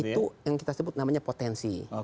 itu yang kita sebut namanya potensi